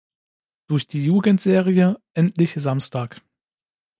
Durch die Jugendserie "Endlich Samstag!